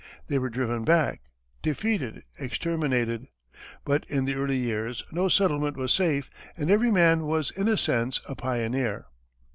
They were driven back, defeated, exterminated. But in the early years, no settlement was safe, and every man was, in a sense, a pioneer.